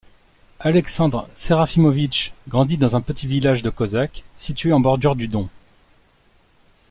Alexandre Serafimovich grandit dans un petit village de Cosaques situé en bordure du Don.